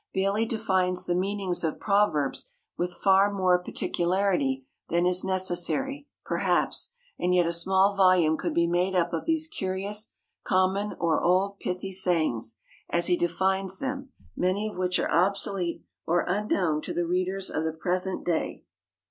Bailey defines the meanings of proverbs with far more particularity than is necessary, perhaps, and yet a small volume could be made up of these curious "common or old pithy sayings," as he defines them, many of which are obsolete or unknown to the readers of the present day.